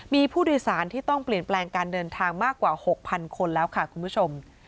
มีผู้โดยสารที่ต้องเปลี่ยนแปลงการเดินทางมากกว่า๖๐๐คนแล้วค่ะคุณผู้ชม